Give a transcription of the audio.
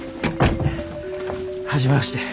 初めまして。